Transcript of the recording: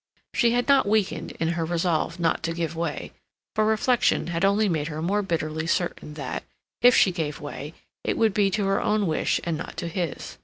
She had not weakened in her resolve not to give way, for reflection had only made her more bitterly certain that, if she gave way, it would be to her own wish and not to his.